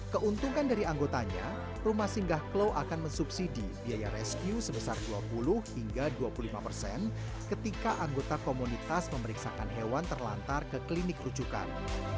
keuntungan dari anggotanya rumah singgah klo akan mensubsidi biaya rescue sebesar dua puluh hingga dua puluh lima persen ketika anggota komunitas memeriksakan hewan terlantar ke klinik rujukan